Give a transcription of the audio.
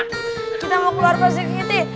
kita mau keluar pak serigiti